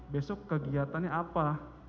besok kegiatannya apa